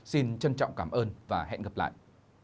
xin trân trọng cảm ơn và hẹn gặp lại